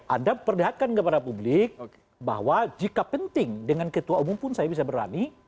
anda perlihatkan kepada publik bahwa jika penting dengan ketua umum pun saya bisa berani